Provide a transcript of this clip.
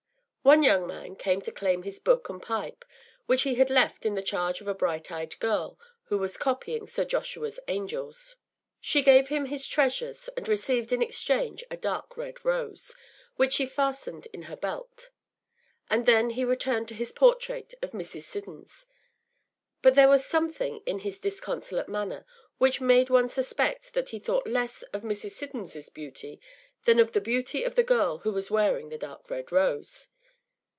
One young man came to claim his book and pipe, which he had left in the charge of a bright eyed girl, who was copying Sir Joshua’s “Angels.” She gave him his treasures, and received in exchange a dark red rose, which she fastened in her belt; and then he returned to his portrait of Mrs. Siddons. But there was something in his disconsolate manner which made one suspect that he thought less of Mrs. Siddons’s beauty than of the beauty of the girl who was wearing the dark red rose!